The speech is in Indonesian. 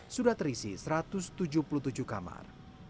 sudah terisi satu ratus tujuh puluh tujuh kamar